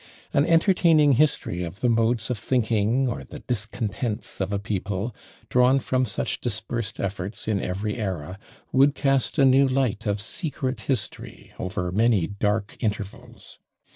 An entertaining history of the modes of thinking, or the discontents of a people, drawn from such dispersed efforts in every æra, would cast a new light of secret history over many dark intervals.